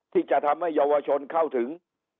ที่จะทำให้เยาวชนเข้าถึง